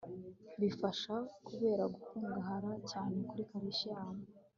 bibafasha kubera gukungahara cyane kuri calcium